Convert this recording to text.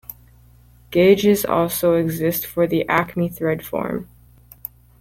Gauges also exist for the Acme thread form.